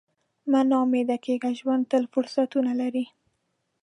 مه نا امیده کېږه، ژوند تل فرصتونه لري.